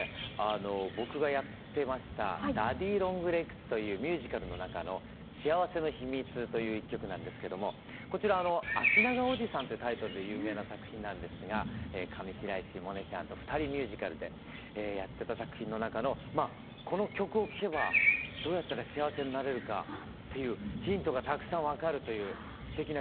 あの僕がやってました「ダディ・ロング・レッグズ」というミュージカルの中の「幸せの秘密」という一曲なんですけどもこちら「足ながおじさん」というタイトルで有名な作品なんですが上白石萌音ちゃんと２人ミュージカルでやってた作品の中のこの曲を聴けばどうやったら幸せになれるかっていうヒントがたくさん分かるというすてきな曲をお届けします。